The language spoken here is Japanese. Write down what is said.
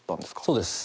そうです。